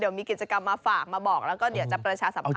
เดี๋ยวมีกิจกรรมมาฝากมาบอกแล้วก็เดี๋ยวจะประชาสัมพัน